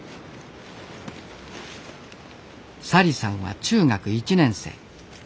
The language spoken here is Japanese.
小里さんは中学１年生。